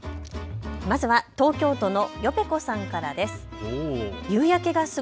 まずは東京都のよぺこさんからです。